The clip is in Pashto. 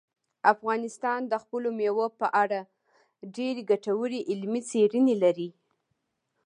افغانستان د خپلو مېوو په اړه ډېرې ګټورې علمي څېړنې لري.